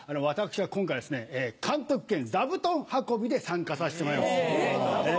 私は今回監督兼座布団運びで参加させてもらいます。